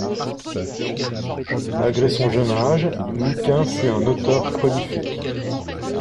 Malgré son jeune âge, Lucain fut un auteur prolifique.